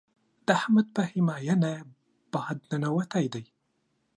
د احمد په هميانۍ باد ننوتی دی.